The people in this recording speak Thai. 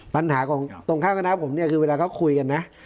ปัญหาของตรงข้างคณะผมเนี่ยคือเวลาเขาคุยกันนะ